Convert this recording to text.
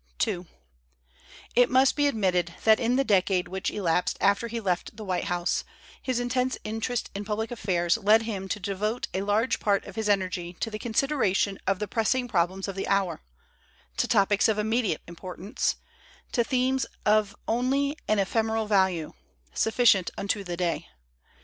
232 THEODORE ROOSEVELT AS A MAN OF LETTERS II IT must be admitted that in the decade which elapsed after he left the White House his intense interest in public affairs led him to devote a large part of his energy to the consideration of the pressing problems of the hour, to topics of immediate importance, to themes of only an ephemeral value, sufficient unto the day.